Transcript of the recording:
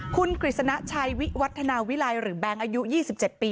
คุณกฤษณชัยวิวัฒนาวิลัยหรือแบงค์อายุ๒๗ปี